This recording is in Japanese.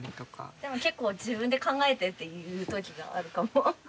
でも結構「自分で考えて」って言うときがあるかも。